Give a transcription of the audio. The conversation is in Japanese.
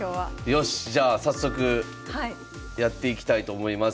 よしじゃあ早速やっていきたいと思います。